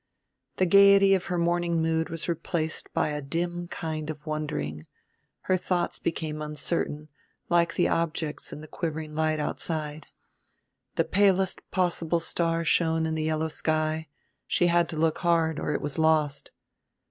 The gayety of her morning mood was replaced by a dim kind of wondering, her thoughts became uncertain like the objects in the quivering light outside. The palest possible star shone in the yellow sky; she had to look hard or it was lost.